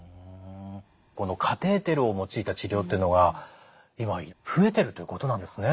このカテーテルを用いた治療というのが今増えてるということなんですね。